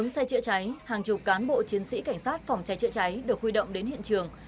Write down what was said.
bốn xe chữa cháy hàng chục cán bộ chiến sĩ cảnh sát phòng cháy chữa cháy được huy động đến hiện trường